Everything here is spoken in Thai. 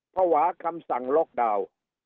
ภาวะคำสั่งล็อกดาวน์